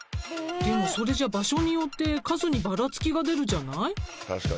でもそれじゃ場所によって数にばらつきが出るじゃない？